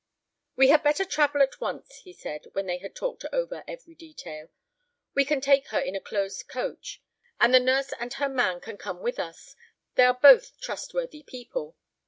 "We had better travel at once," he said, when they had talked over every detail; "we can take her in a closed coach. And the nurse and her man can come with us; they are both trustworthy people.